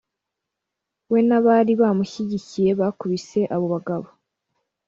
we n’abari bamushyigikiye bakubise abo bagabo